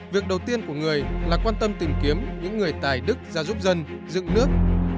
việc đầu tiên của người là quan tâm tìm kiếm những người tài đức ra giúp dân dựng nước